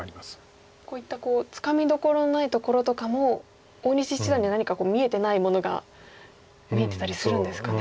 こういったつかみどころのないところとかも大西七段には何か見えてないものが見えてたりするんですかね。